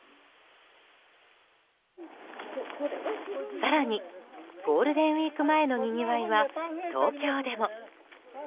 更に、ゴールデンウィーク前のにぎわいは東京でも。